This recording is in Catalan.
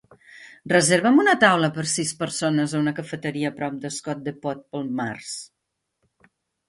Reserva'm una taula per a sis persones a una cafeteria a prop de Scott Depot per al març.